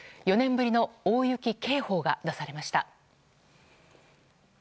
４年ぶりの大雪警報が出ました。